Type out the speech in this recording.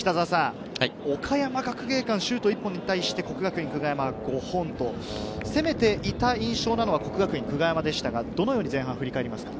岡山学芸館、シュート１本に対して、國學院久我山５本と、攻めていた印象なのは久我山でしたが、どのように前半を振り返りますか？